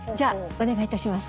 「お願いいたします」？